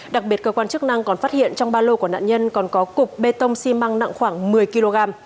đặc biệt cơ quan chức năng còn phát hiện trong ba lô của nạn nhân còn có cục bê tông xi măng nặng khoảng một mươi kg